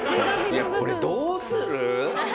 これどうする？